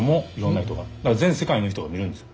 だから全世界の人が見るんです。